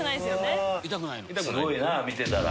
すごいな見てたら。